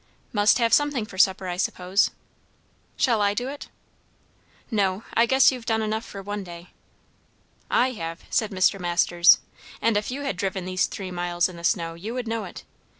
"Must have something for supper, I suppose." "Shall I do it?" "No. I guess you've done enough for one day." "I have," said Mr. Masters. "And if you had driven these three miles in the snow, you would know it.